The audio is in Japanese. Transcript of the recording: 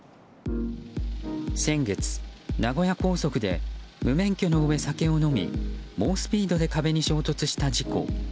先月、名古屋高速で無免許のうえ酒を飲み猛スピードで壁に衝突した事故。